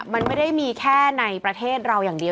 มันไม่ได้มีแค่ในประเทศเราอย่างเดียว